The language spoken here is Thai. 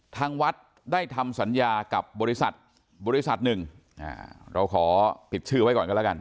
ทางวัดได้ทำสัญญากับบริษัทหนึ่งเราขอผิดชื่อไว้ก่อนก็ล่ะกัน